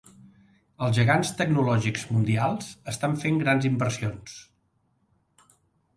Els gegants tecnològics mundials estan fent grans inversions.